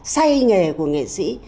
xây nghề của nghệ sĩ